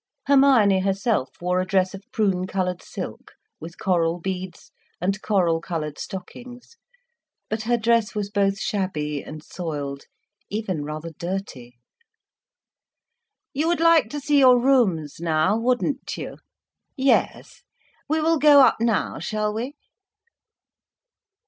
Hermione herself wore a dress of prune coloured silk, with coral beads and coral coloured stockings. But her dress was both shabby and soiled, even rather dirty. "You would like to see your rooms now, wouldn't you! Yes. We will go up now, shall we?"